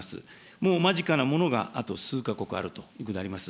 もう間近なものが、あと数か国あるということであります。